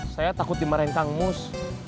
saya takut dimarahin kang mus